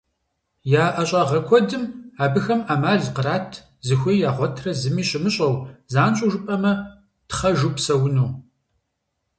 Я ӀэщӀагъэ куэдым абыхэм Ӏэмал кърат зыхуей ягъуэтрэ зыми щымыщӀэу, занщӀэу жыпӀэмэ, тхъэжу псэуну.